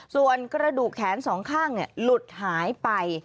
ส่วนกระดูกแขนสองข้างหลุดหายไป